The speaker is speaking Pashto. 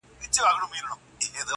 زما دې ژوند د ارواحونو په زنځير وتړئ_